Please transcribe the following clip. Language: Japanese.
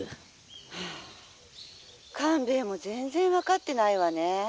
「はあ官兵衛も全然分かってないわね。